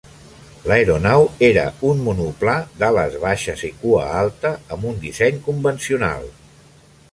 L'aeronau era un monoplà d'ales baixes i cua alta amb un disseny convencional.